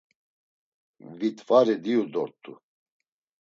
Vit̆vari diu dort̆u.